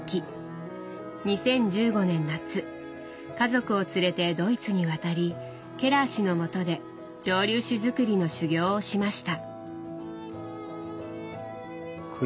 ２０１５年夏家族を連れてドイツに渡りケラー氏のもとで蒸留酒づくりの修業をしました。